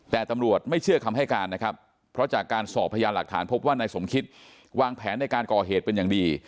แต่ตำรวจไม่เชื่อคำให้การนะครับเพราะจากการสอบพยานหลักฐานพบว่านายสมคิตวางแผนในการก่อเหตุเป็นอย่างดี